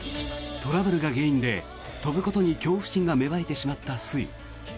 トラブルが原因で、飛ぶことに恐怖心が芽生えてしまった粋。